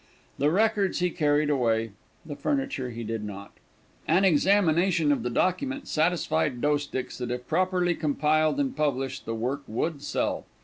The records he carried away the furniture he did not. An examination of the documents satisfied Doesticks that if properly compiled, and published, the work would sell.